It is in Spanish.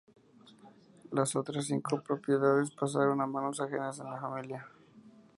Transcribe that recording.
Las otras cinco propiedades pasaron a manos ajenas a la familia.